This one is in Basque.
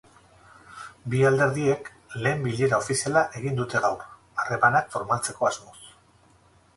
Bi alderdiek lehen bilera ofiziala egin dute gaur, harremanak formaltzeko asmoz.